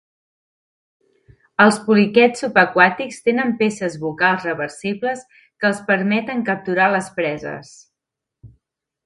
Els poliquets subaquàtics tenen peces bucals reversibles que els permeten capturar les preses.